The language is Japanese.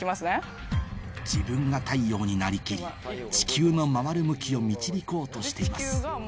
自分が太陽になりきり地球の回る向きを導こうとしています